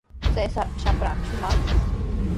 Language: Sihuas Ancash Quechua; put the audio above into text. Cesarpa shapranqa shumaqmi.